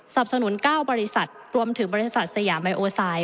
สนุน๙บริษัทรวมถึงบริษัทสยามไมโอไซด์